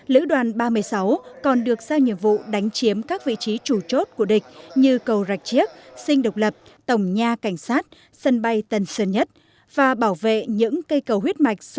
lữ đoàn ba mươi sáu còn được giao nhiệm vụ đánh chiếm các vị trí chủ chốt của địch như cầu rạch chiếc sinh độc lập tổng nha cảnh sát sân bay tân sơn nhất và bảo vệ những cây cầu